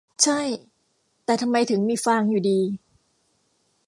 ใช่ แต่ทำไมถึงมีฟางอยู่ดี